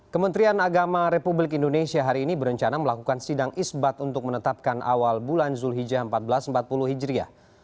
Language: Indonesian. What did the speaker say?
kementerian agama republik indonesia hari ini berencana melakukan sidang isbat untuk menetapkan awal bulan zulhijjah seribu empat ratus empat puluh hijriah